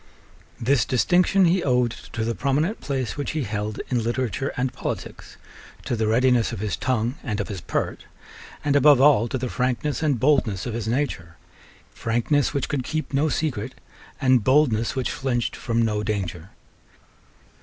This distinction he owed to the prominent place which he held in literature and politics, to the readiness of his tongue and of his pert, and above all to the frankness and boldness of his nature, frankness which could keep no secret, and boldness which flinched from no danger.